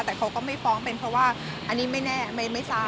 แต่เขาก็ไม่ฟ้องเป็นเพราะว่าอันนี้ไม่แน่ไม่ทราบ